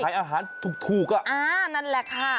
มีท็อปขายอาหารถูกนั่นแหละค่ะ